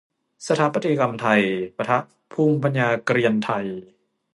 สถาปัตยกรรมไทย ปะทะ ภูมิปัญญาเกรียนไทย